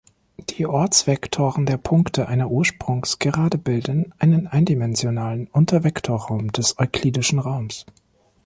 Die Ortsvektoren der Punkte einer Ursprungsgerade bilden einen eindimensionalen Untervektorraum des euklidischen Raums.